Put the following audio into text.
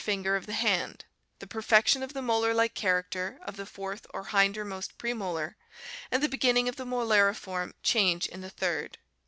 finger of the hand, the perfection of the molar like character of the fourth or hindermost premolar, and the beginning of the molariform change in the third.